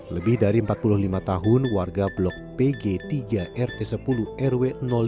lebih dari empat puluh lima tahun warga blok pg tiga rt sepuluh rw lima